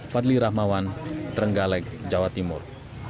fadli rahmawan trenggalek jawa timur